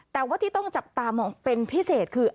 แต่ว่าที่ต้องจับตามองเป็นพิเศษคือ